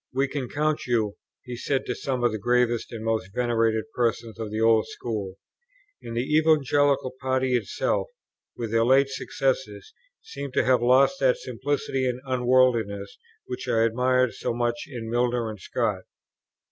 "We can count you," he said to some of the gravest and most venerated persons of the old school. And the Evangelical party itself, with their late successes, seemed to have lost that simplicity and unworldliness which I admired so much in Milner and Scott.